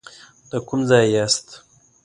د کوم ځای یاست.